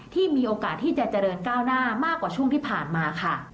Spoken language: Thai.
ที่มีโอกาสที่จะเจริญก้าวหน้ามากกว่าช่วงที่ผ่านมาค่ะ